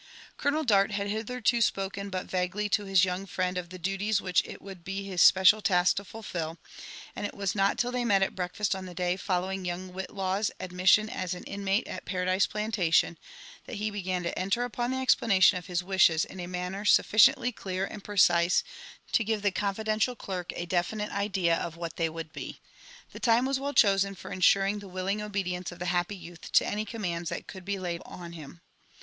Colonel Dart had hitherto spoken but vaguely to his young friend of the duties which it would be his special task to fulfil ; and it Was not till they met at breakfast on the day following young Whitlaw's ad<« missioo as an iotnate at Paradise Plantation, that he began to enter upon the explanation of his wishes in a manner sufficiently clear and precise to give the confidential clerk a definite idea of what they would be. • The time was well ehoaen for insuring the willing obedience of the happy yoptb to any commands ihat could be laid on him.